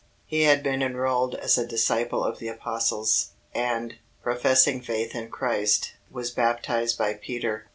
He had been enrolled as a disciple of the Apostles, and, professing faith in Christ, was baptized by Peter.